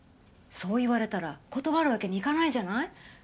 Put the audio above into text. そう言われたら断るわけにいかないじゃない。